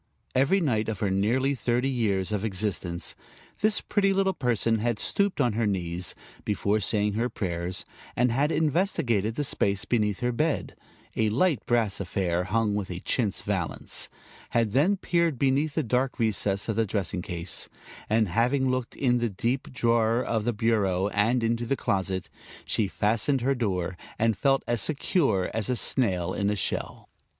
Every night of her nearly thirty years of existence this pretty little person had stooped on her knees, before saying her prayers, and had investigated the space beneath her bed, a light brass affair, hung with a chintz valance; had then peered beneath the dark recess of the dressing case, and having looked in the deep drawer of the bureau and into the closet, she fastened her door and felt as secure as a snail in a shell.